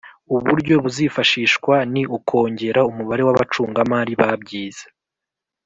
uburyo buzifashishwa ni ukongera umubare w’abacungamari babyize